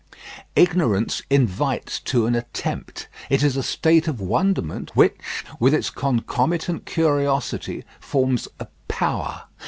Ignorance invites to an attempt. It is a state of wonderment, which, with its concomitant curiosity, forms a power.